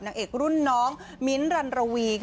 นางเอกรุ่นน้องมิ้นท์รันรวี